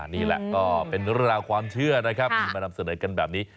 นี่แหละก็เป็นเรื่องราวความเชื่อนะครับมีมานำเสนอกันแบบนี้